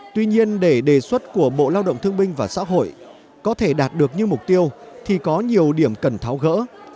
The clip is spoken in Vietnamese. tuy nhiên để đề xuất của bộ lao động thương binh và xã hội có thể đạt được như mục tiêu thì có nhiều điểm cần tháo gỡ